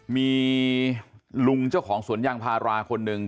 มีลุงเจ้าของสวนยางพาราคนหนึ่ง